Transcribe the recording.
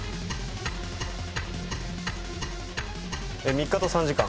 ３日と３時間。